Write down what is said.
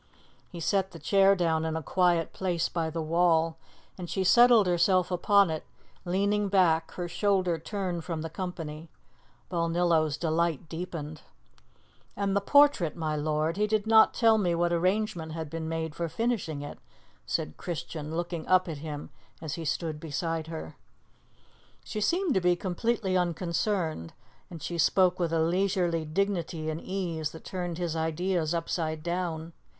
He set the chair down in a quiet place by the wall, and she settled herself upon it, leaning back, her shoulder turned from the company. Balnillo's delight deepened. "And the portrait, my lord. He did not tell me what arrangement had been made for finishing it," said Christian, looking up at him as he stood beside her. She seemed to be completely unconcerned, and she spoke with a leisurely dignity and ease that turned his ideas upside down.